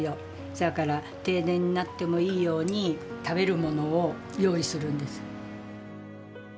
そやから停電になってもいいように食べるものを用意するんです。